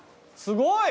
すごい！